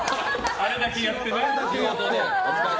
あれだけやってね。